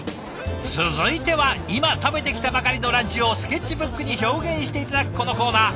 続いては今食べてきたばかりのランチをスケッチブックに表現して頂くこのコーナー。